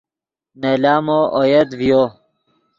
نے لامو اویت ڤیو